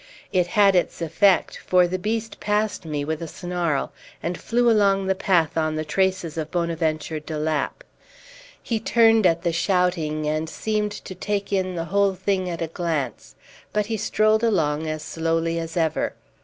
It had its effect, for the beast passed me with a snarl, and flew along the path on the traces of Bonaventure de Lapp. He turned at the shouting, and seemed to take in the whole thing at a glance; but he strolled along as slowly as ever.